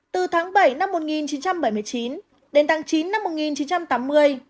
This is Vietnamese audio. từ tháng bảy năm một nghìn chín trăm bảy mươi chín đến tháng chín năm một nghìn chín trăm tám mươi